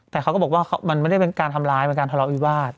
แต่เขาก็บอกว่ามันไม่ได้เป็นการทำร้ายเป็นการทะเลาะวิวาส